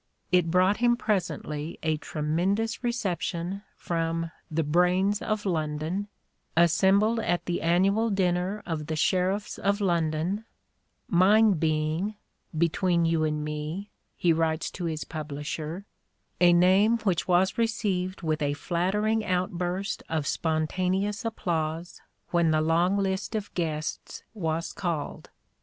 It brought him presently a tremendous reception from "the brains of London, assembled at the annual dinner of the sheriffs of London — mine being (between you and me)," he writes to his publisher, "a name which was received with a flattering outburst of spontaneous applause when the long list of guests was called."